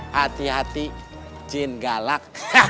hati hati jin galak